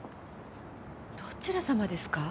どちらさまですか？